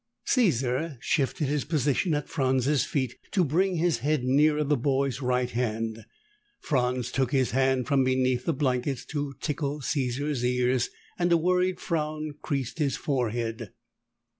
Caesar shifted his position at Franz's feet, to bring his head nearer the boy's right hand. Franz took his hand from beneath the blankets to tickle Caesar's ears, and a worried frown creased his forehead.